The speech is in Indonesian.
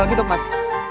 ini foto mamanya lah ya